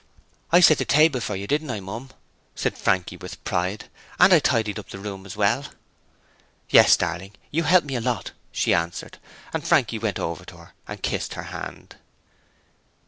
'I set the table for you, didn't I, Mum?' said Frankie with pride; 'and tidied up the room as well.' 'Yes, darling, you helped me a lot,' she answered, and Frankie went over to her and kissed her hand.